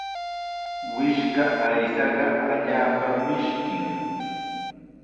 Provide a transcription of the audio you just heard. Wishka aychaqa allaapam mishkin.